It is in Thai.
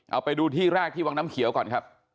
เอาไปดูที่แรกที่วังน้ำเขียวก่อนครับ